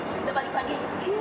kita balik lagi